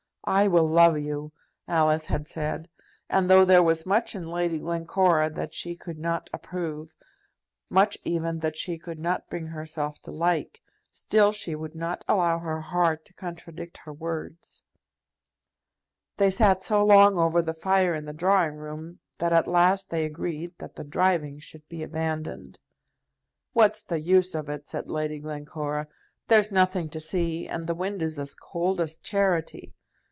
"I will love you!" Alice had said; and though there was much in Lady Glencora that she could not approve, much even that she could not bring herself to like, still she would not allow her heart to contradict her words. They sat so long over the fire in the drawing room that at last they agreed that the driving should be abandoned. "What's the use of it?" said Lady Glencora. "There's nothing to see, and the wind is as cold as charity.